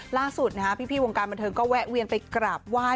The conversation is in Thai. ล่าสุดนะฮะพี่วงการบันเทิงก็แวะเวียนไปกราบไหว้